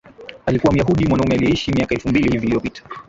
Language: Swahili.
alikuwa Myahudi mwanamume aliyeishi miaka elfu mbili hivi iliyopita